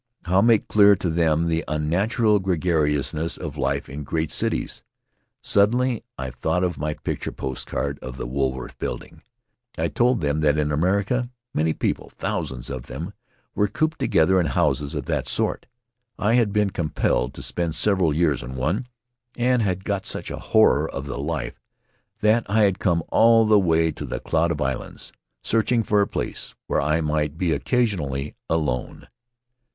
How make clear to them the unnatural gregariousness of life in great cities? Suddenly I thought of my picture post card of the Wool worth Building. I told them that in America many people, thousands of them, were cooped together in houses of that sort. I had been compelled to spend several years in one and had got such a horror of the life that I had come all the way to the Cloud of Islands, searching for a place where I might be occasionally alone.